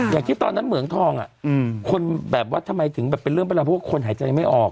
ที่ตอนนั้นเหมืองทองคนแบบว่าทำไมถึงแบบเป็นเรื่องเป็นราวเพราะว่าคนหายใจไม่ออก